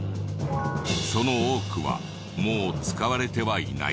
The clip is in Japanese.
その多くはもう使われてはいない。